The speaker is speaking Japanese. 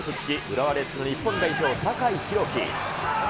浦和レッズの日本代表、酒井宏樹。